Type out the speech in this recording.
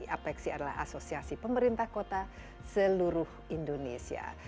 apexi adalah asosiasi pemerintah kota seluruh indonesia